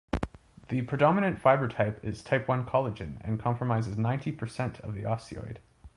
The predominant fiber-type is Type One collagen and comprises ninety percent of the osteoid.